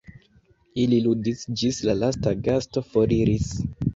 Ili ludis, ĝis la lasta gasto foriris.